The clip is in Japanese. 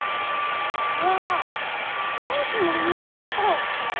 あ電気が流れてるから熱くなるのか。